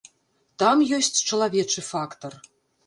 Там ёсць чалавечы фактар.